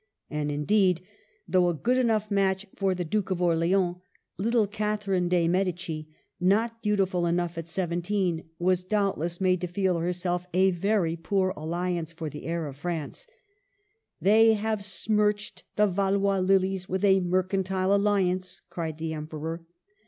And, in deed, though a good enough match for the Duke of Orleans, little Catherine dei Medici, not beautiful even at seventeen, was doubtless made to feel herself a very poor alliance for the heir of France, '* They have smirched the Valois lilies with a mercantile alliance !" cried the Emperor.